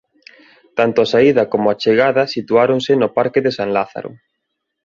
Tanto a saída como a chegada situáronse no Parque de San Lázaro.